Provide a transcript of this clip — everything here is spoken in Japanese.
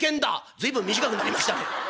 「随分短くなりましたね」。